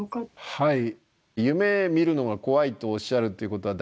はい。